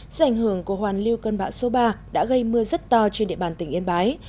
do ảnh hưởng của hoàn lưu cơn bão số ba đã gây mưa rất to trên địa bàn tỉnh yên bái